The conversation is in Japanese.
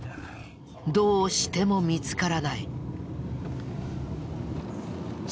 どうしても見つからない。